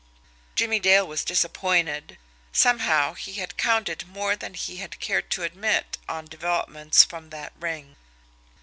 Jimmie Dale was disappointed. Somehow, he had counted more than he had cared to admit on developments from that ring.